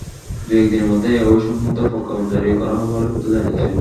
দু-এক দিনের মধ্যে এ-সংক্রান্ত প্রজ্ঞাপন জারি করা হবে বলে সূত্র জানিয়েছে।